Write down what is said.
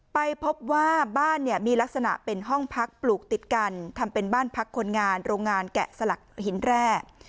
ไปพบว่าบ้านเนี่ยมีลักษณะเป็นห้องพักปลูกติดกันทำเป็นบ้านพักคนงานโรงงานแกะสลักหินแร่